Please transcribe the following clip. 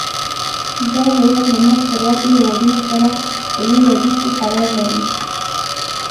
دا هېواد له مخ پر ودې هېوادونو سره په یو ردیف کې قرار لري.